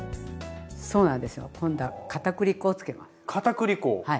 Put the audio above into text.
そうなんですよ今度はかたくり粉を。